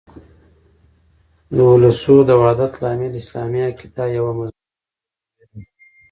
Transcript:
د اولسو د وحدت لامل اسلامي عقیده او یوه مضبوطه ورورګلوي ده.